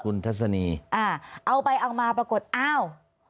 คุณทัศนีอ่าเอาไปเอามาปรากฏอ้าว